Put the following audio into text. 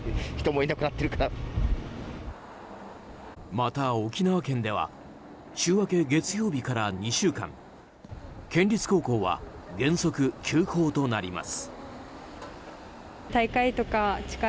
また沖縄県では週明け月曜日から２週間県立高校は原則休校となります。